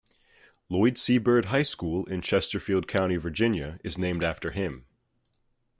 Lloyd C. Bird High School in Chesterfield County, Virginia is named after him.